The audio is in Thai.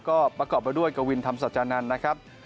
ก็ประกอบไปด้วยกวินธรรมสัจจานันทร์นะครับ